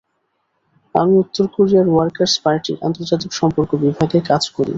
আমি উত্তর কোরিয়ার ওয়ার্কার্স পার্টির, আন্তর্জাতিক সম্পর্ক বিভাগে কাজ করি।